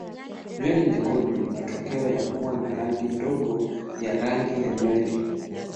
Nywele nyekundu ni matokeo ya kuwa na rangi ndogo ya rangi ya nywele.